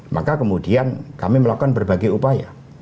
maka kemudian kami melakukan berbagai upaya